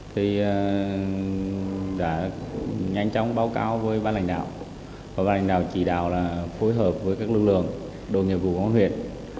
thì đã nhanh chóng báo cáo với bán lãnh đạo và bán lãnh đạo chỉ đạo là phối hợp với các lực lượng đồn nhiệm vụ của quán huyện